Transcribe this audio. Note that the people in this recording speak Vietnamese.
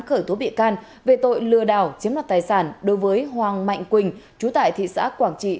khởi tố bị can về tội lừa đảo chiếm đoạt tài sản đối với hoàng mạnh quỳnh chú tại thị xã quảng trị